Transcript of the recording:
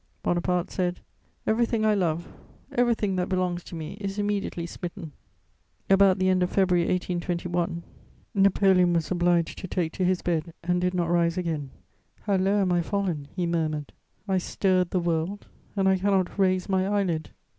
Bonaparte said: "Everything I love, everything that belongs to me is immediately smitten." About the end of February 1821, Napoleon was obliged to take to his bed and did not rise again. "How low am I fallen!" he murmured. "I stirred the world, and I cannot raise my eyelid."